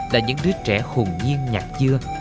là những đứa trẻ hùng nhiên nhạt dưa